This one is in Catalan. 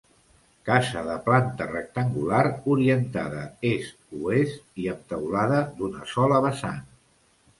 Casa de planta rectangular, orientada est-oest i amb teulada d'una sola vessant.